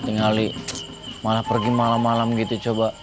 tinggal malah pergi malam malam gitu coba